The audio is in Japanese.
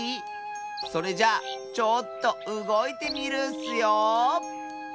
それじゃあちょっとうごいてみるッスよ。